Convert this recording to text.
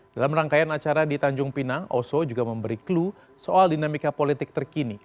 dalam rangkaian acara di tanjung pinang oso juga memberi clue soal dinamika politik terkini